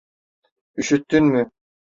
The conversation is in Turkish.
Üşüttün mü?